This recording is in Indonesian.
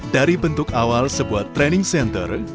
dari bentuk awal sebuah training center